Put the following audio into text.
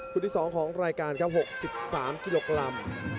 ทุนที่สองของรายการ๖๓กิโลกรัม